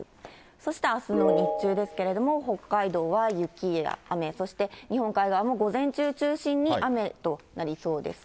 そしてあすの日中ですけれども、北海道は雪や雨、そして日本海側も午前中中心に雨となりそうです。